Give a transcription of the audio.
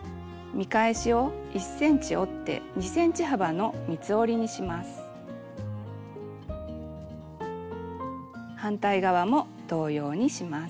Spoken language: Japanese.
見返しを１ｃｍ折って反対側も同様にします。